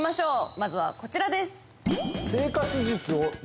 まずはこちらです